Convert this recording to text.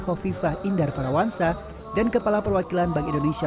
hovifah indar parawansa dan kepala perwakilan bank indonesia